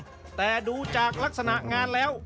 ก็ไม่รู้จักลักษณะงานแล้ว